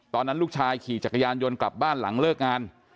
ตอนนั้นลูกชายขี่จักรยานยนต์กลับบ้านหลังเลิกงาน